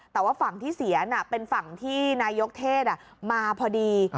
แต่ว่าฝั่งที่เสียเป็นฝั่งที่นายกเทศมาพอดี